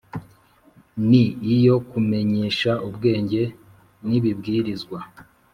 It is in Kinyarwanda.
ni iyo kumenyesha ubwenge n’ibibwirizwa,